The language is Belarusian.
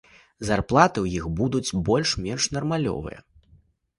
Зарплаты ў іх будуць больш-менш нармалёвыя.